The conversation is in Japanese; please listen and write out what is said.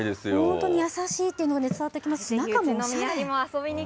本当に優しいというのが伝わってきますし、中もおしゃれ。